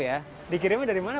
ini dikirim dari mana